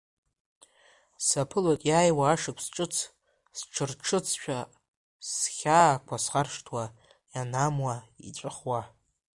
Саԥылоит иааиуа ашықәс сҽырҿыцшәа, схьаақәа схаршҭуа, ианамуа иҵәахуа.